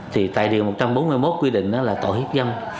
thì tại điều một trăm bốn mươi một quy định đó là tội hiếp dâm